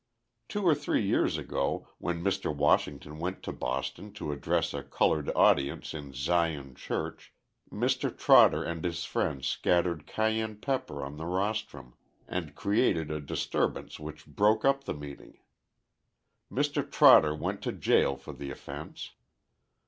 Two or three years ago, when Mr. Washington went to Boston to address a coloured audience in Zion Church, Mr. Trotter and his friends scattered cayenne pepper on the rostrum and created a disturbance which broke up the meeting. Mr. Trotter went to jail for the offence.